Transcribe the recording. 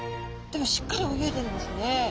でもしっかり泳いでるんですね。